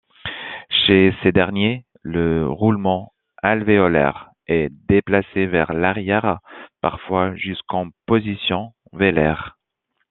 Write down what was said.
Chez ces derniers, le roulement alvéolaire est déplacé vers l'arrière, parfois jusqu'en position vélaire.